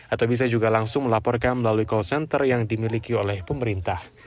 atau bisa juga langsung melaporkan melalui call center yang dimiliki oleh pemerintah